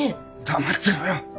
黙ってろよ！